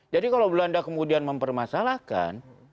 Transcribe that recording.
jadi kalau belanda kemudian mempermasalahkan